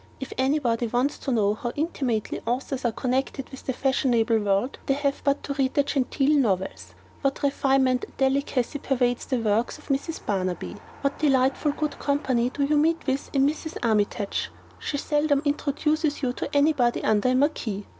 If anybody wants to know how intimately authors are connected with the fashionable world, they have but to read the genteel novels. What refinement and delicacy pervades the works of Mrs. Barnaby! What delightful good company do you meet with in Mrs. Armytage! She seldom introduces you to anybody under a marquis!